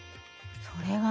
それはね